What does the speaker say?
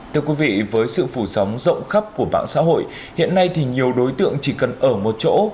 thưa quý vị với sự phủ sóng rộng khắp của mạng xã hội hiện nay thì nhiều đối tượng chỉ cần ở một chỗ